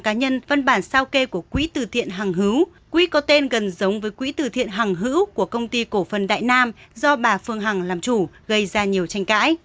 cậu it có tên gần giống với quỹ từ thiện hằng hữu của công ty cổ phân đại nam do bà phương hằng làm chủ gây ra nhiều tranh cãi